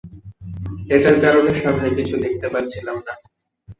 এটার কারনে সামনে কিছু দেখতে পাচ্ছিলাম না।